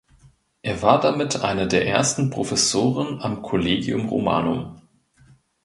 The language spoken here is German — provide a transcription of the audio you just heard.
Er war damit einer der ersten Professoren am Collegium Romanum.